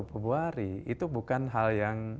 pebuah hari itu bukan hal yang